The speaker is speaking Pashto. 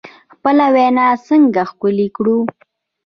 خپله وینا څنګه ښکلې کړو؟